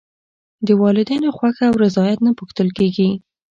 د والدینو خوښه او رضایت نه پوښتل کېږي.